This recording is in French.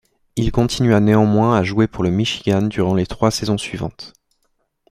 Il continua néanmoins à jouer pour le Michigan durant les trois saisons suivantes.